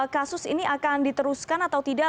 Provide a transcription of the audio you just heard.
kasus ini akan diteruskan atau tidak